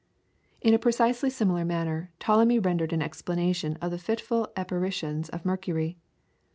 In a precisely similar manner Ptolemy rendered an explanation of the fitful apparitions of Mercury.